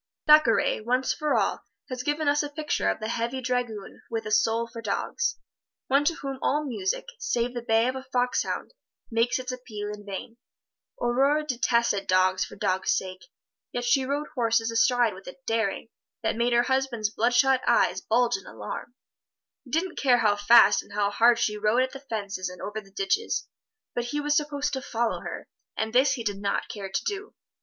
Thackeray, once for all, has given us a picture of the heavy dragoon with a soul for dogs one to whom all music, save the bay of a fox hound, makes its appeal in vain. Aurore detested dogs for dogs' sake, yet she rode horses astride with a daring that made her husband's bloodshot eyes bulge in alarm. He didn't much care how fast and hard she rode at the fences and over the ditches, but he was supposed to follow her, and this he did not care to do.